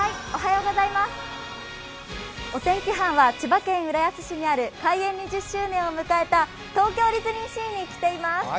お天気班は千葉県浦安市にある開園２０周年を迎えた東京ディズニーシーに来ています。